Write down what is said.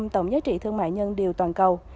tổng giá trị thương mại nhân điều toàn cầu